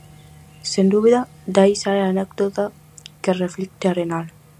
Sen dúbida, de aí sae a anécdota que reflicte Arenal.